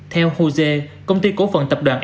theo hosea công ty cổ phần tập đoàn